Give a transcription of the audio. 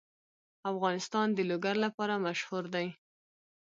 افغانستان د لوگر لپاره مشهور دی.